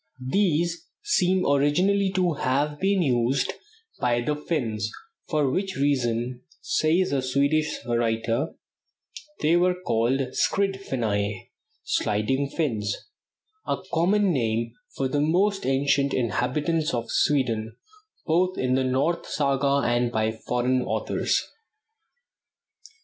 These seem originally to have been used by the Finns, "for which reason," says a Swedish writer, "they were called 'Skrid Finnai' (Sliding Finns) a common name for the most ancient inhabitants of Sweden, both in the North saga and by foreign authors."